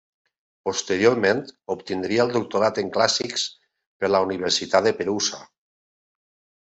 Posteriorment obtindria el Doctorat en clàssics per la Universitat de Perusa.